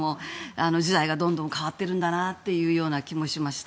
時代がどんどん変わってるんだなというような気もしました。